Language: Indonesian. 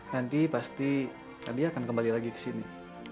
nanti pasti tadi akan kembali lagi ke sini